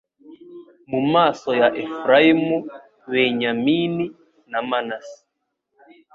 Mu maso ya Efurayimu Benyamini na Manase